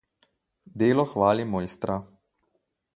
Delo hvali mojstra.